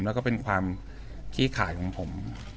แล้วก็เป็นความขี้ขายของผม